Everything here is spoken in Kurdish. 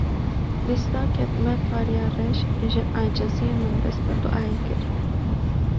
Dîsa ketime tariya reş, ji eciziyê min dest bi duayê kir